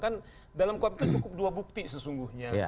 kan dalam kuap itu cukup dua bukti sesungguhnya